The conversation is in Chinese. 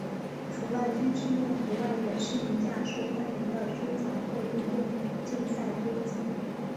除了军事用途外也是一架受欢迎的收藏或运动竞赛飞机。